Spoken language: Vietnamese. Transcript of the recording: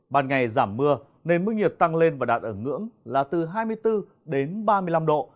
ban ngày giảm mưa nên mức nhiệt tăng lên và đạt ở ngưỡng là từ hai mươi bốn đến ba mươi năm độ